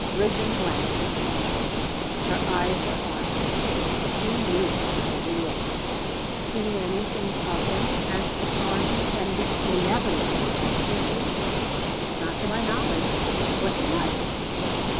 Rigden glanced at Moya. Her eyes were on him. He knew it before he looked. "Seen anything of him?" asked the sergeant inevitably. "Not to my knowledge. What's he like?"